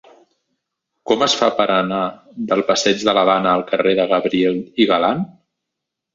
Com es fa per anar del passeig de l'Havana al carrer de Gabriel y Galán?